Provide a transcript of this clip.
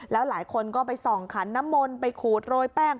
แล้วหลายคนก็ไปส่องขันน้ำมนต์ไปขูดโรยแป้ง